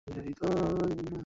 এটা কী ধরনের ফালতু প্রশ্ন?